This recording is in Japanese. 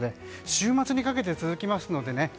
週末にかけて続きますのでね